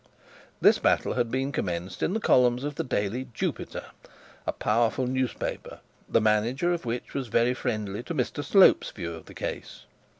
This battle had been commenced in the columns of the daily Jupiter, a powerful newspaper, the manager of which was very friendly to Mr Slope's view of the case.